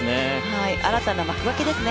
新たな幕開けですね。